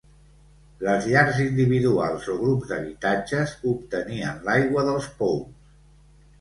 Les llars individuals o grups d’habitatges obtenien l'aigua dels pous.